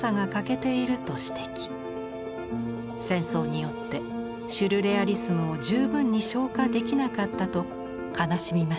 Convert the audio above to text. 戦争によってシュルレアリスムを十分に消化できなかったと悲しみました。